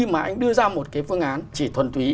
mà anh đưa ra một cái phương án chỉ thuần túy